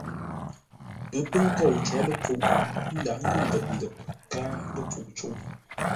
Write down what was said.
Pə́ pə́ kôu có ləpfuʼ, ə́ ndághʼ ngʉ ndəp-ndəp káa ləpfuʼ cûʼ.